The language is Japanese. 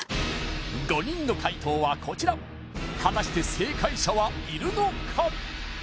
５人の解答はこちら果たして正解者はいるのか？